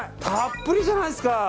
たっぷりじゃないですか。